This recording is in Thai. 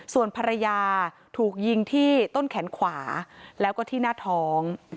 ส่วนภรรยาถูกยิงที่ต้นแขนขวาแล้วก็ที่หน้าท้อง